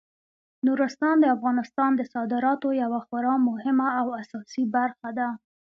نورستان د افغانستان د صادراتو یوه خورا مهمه او اساسي برخه ده.